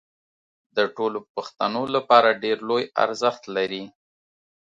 د ټولو پښتنو لپاره ډېر لوی ارزښت لري